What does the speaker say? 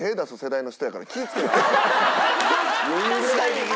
確かに。